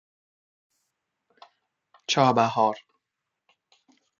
چابهار